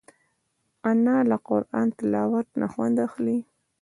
انا له قرآن تلاوت نه خوند اخلي